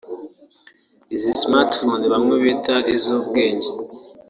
Izi Smartpfones bamwe bita iz’ubwenge